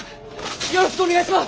よろしくお願いします！